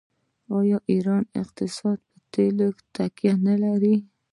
آیا د ایران اقتصاد په تیلو تکیه نلري؟